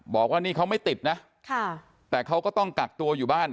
บอกว่านี่เขาไม่ติดนะแต่เขาก็ต้องกักตัวอยู่บ้าน